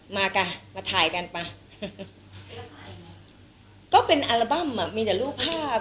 มากันมาถ่ายกันป่ะก็เป็นอัลบั้มอ่ะมีแต่รูปภาพ